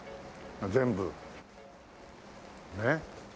全部ねえ。